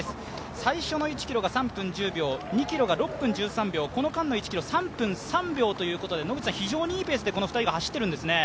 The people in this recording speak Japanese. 最初の１ｋｍが３分１０秒、２ｋｍが６分１３秒、この間の１ｋｍ３分３秒ということで野口さん、非常にいいペースでこの２人が走ってるんですね？